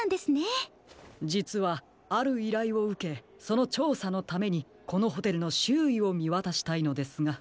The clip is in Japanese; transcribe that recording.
じつはあるいらいをうけそのちょうさのためにこのホテルのしゅういをみわたしたいのですが。